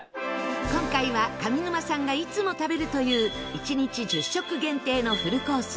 今回は上沼さんがいつも食べるという１日１０食限定のフルコース